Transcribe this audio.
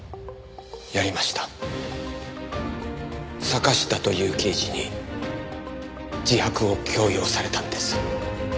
坂下という刑事に自白を強要されたんです。